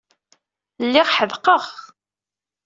Lliɣ ḥedqeɣ.